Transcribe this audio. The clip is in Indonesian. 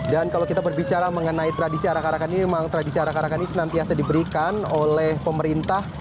dan kalau kita berbicara mengenai tradisi arah arahkan ini memang tradisi arah arahkan ini senantiasa diberikan oleh pemerintah